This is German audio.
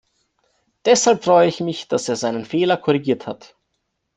Deshalb freue ich mich, dass er seinen Fehler korrigiert hat.